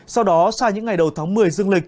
sau đó sang những ngày đầu tháng một mươi dương lịch